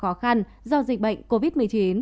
khó khăn do dịch bệnh covid một mươi chín